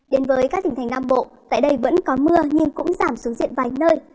đến với các tỉnh thành nam bộ tại đây vẫn có mưa nhưng cũng giảm xuống diện vài nơi